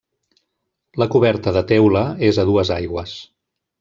La coberta de teula és a dues aigües.